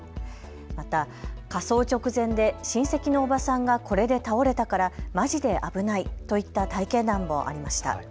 また火葬直前で親戚のおばさんがこれで倒れたからまじで危ないといった体験談もありました。